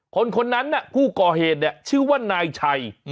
คนคนนั้นผู้ก่อเหตุเนี่ยชื่อว่านายชัย